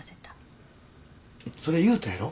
それ言うたやろ？